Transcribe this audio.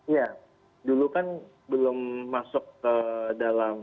ya dulu kan belum masuk ke dalam